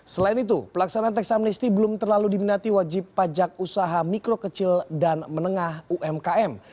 selain itu pelaksanaan teks amnesty belum terlalu diminati wajib pajak usaha mikro kecil dan menengah umkm